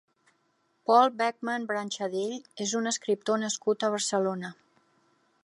Pol Beckmann Branchadell és un escriptor nascut a Barcelona.